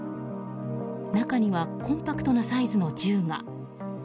中にはコンパクトなサイズの銃が。